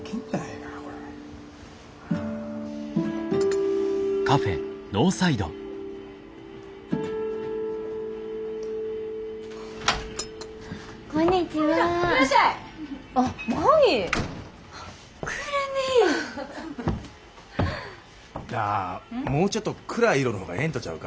なあもうちょっと暗い色の方がええんとちゃうか？